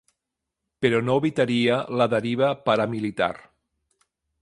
Però no evitaria la deriva paramilitar.